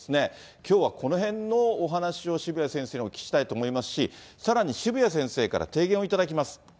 きょうはこのへんのお話を、渋谷先生にお聞きしたいと思いますし、さらに渋谷先生から提言を頂きます。